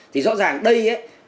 thì rõ ràng đây á